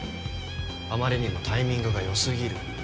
あまりにもタイミングがよすぎる。